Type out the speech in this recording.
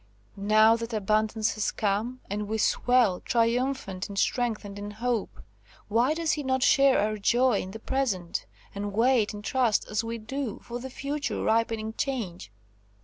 Now that abundance has come, and we swell, triumphant in strength and in hope, why does he not share our joy in the present, and wait, in trust, as we do, for the future ripening change?